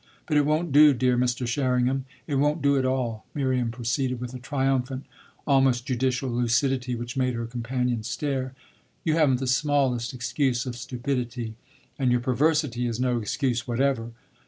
But it won't do, dear Mr. Sherringham it won't do at all," Miriam proceeded with a triumphant, almost judicial lucidity which made her companion stare; "you haven't the smallest excuse of stupidity, and your perversity is no excuse whatever.